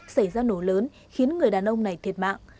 xảy ra nổ lớn khiến người đàn ông này thiệt mạng